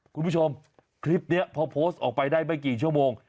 คุณผู้ชมคลิปนี้พอโพสต์ออกไปได้ไม่กี่ชั่วโมง